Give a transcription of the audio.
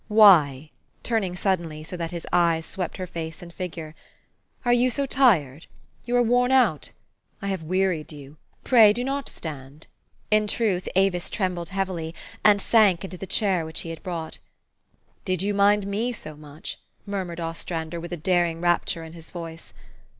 ... Why!" turning suddenly, no that his eyes swept her face and figure, 112 THE STORY OF AVIS. "arc you so tired? You are worn out. I have wearied you. Pray do not stand." In truth Avis trembled heavily, and sank into the chair which he had brought. 4 ' Did you mind me so much ?'' murmured Os trander, with a daring rapture in his voice.